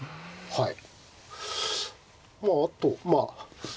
はい。